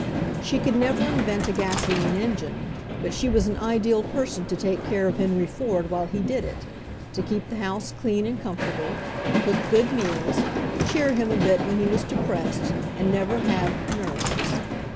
She could never invent a gasoline engine, but she was an ideal person to take care of Henry Ford while he did it, to keep the house clean and comfortable, cook good meals, cheer him a bit when he was depressed and never have "nerves."